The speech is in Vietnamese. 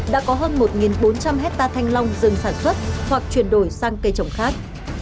đã có hơn một bốn trăm linh hectare thanh long dừng sản xuất hoặc chuyển đổi sang cây trồng khác